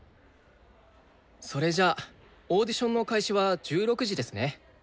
それじゃあオーディションの開始は１６時ですね。